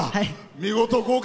見事、合格。